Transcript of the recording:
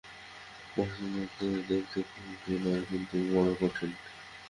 মধুসূদন দেখতে কুশ্রী নয় কিন্তু বড়ো কঠিন।